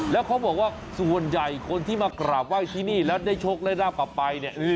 แล้วเขาบอกว่าส่วนใหญ่คนที่มากราบไหว้ที่นี่แล้วได้โชคได้ราบกลับไปเนี่ย